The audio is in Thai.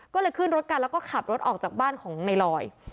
ก็เลยขึ้นรถกันแล้วก็ขับรถออกจากบ้านของในลอย